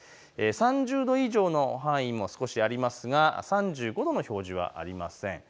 ３０度以上の範囲、少しありますが３５度の表示はありません。